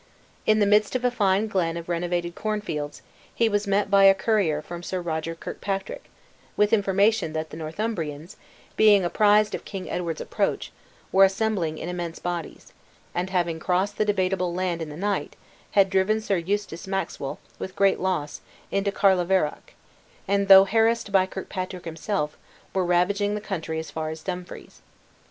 In the midst of a fine glen of renovated corn fields, he was met by a courier from Sir Roger Kirkpatrick, with information that the Northumbrians, being apprised of King Edward's approach, were assembling in immense bodies; and having crossed the debatable land in the night, had driven Sir Eustace Maxwell, with great loss, into Carlaveroch; and though harassed by Kirkpatrick himself, were ravaging the country as far as Dumfries.